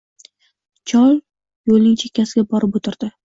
Chol yoʻlning chekkasiga borib oʻtirdi.